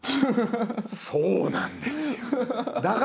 そうなんですよ！